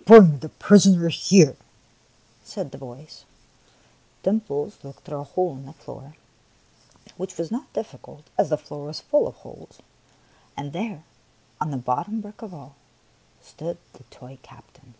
" Bring the prisoner here !" said the voice. Dimples looked through a hole in the floor, — which was not difficult, as the floor was full of holes, — and there, on the bottom brick of all, stood the toy captain.